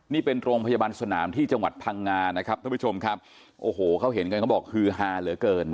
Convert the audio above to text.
นี่เป็นโรงพยาบาลสนามที่จังหวัดพังงานะครับท่านผู้ชมครับโอ้โหเขาเห็นกันเขาบอกฮือฮาเหลือเกิน